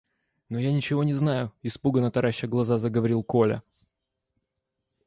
– Но я ничего не знаю, – испуганно тараща глаза, заговорил Коля.